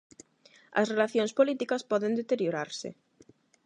As relacións políticas poden deteriorarse.